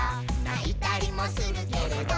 「ないたりもするけれど」